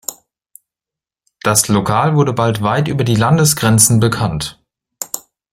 Das Lokal wurde bald weit über die Landesgrenzen bekannt.